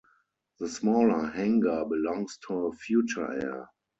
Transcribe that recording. The smaller hangar belongs to Future Air.